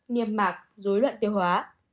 niềm mạc dối luận tiêu hóa